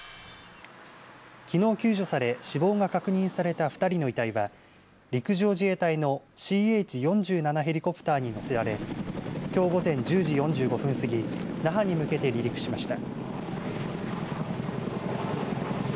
きのう救助され死亡が確認された２人の遺体は陸上自衛隊のＣＨ４７ヘリコプターに乗せられきょう午前１０時４５分過ぎ那覇に向けて離陸しました。